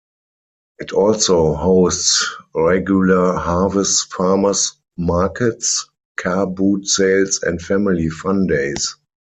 It also hosts regular Harvest farmer's markets, car boot sales and family fun days.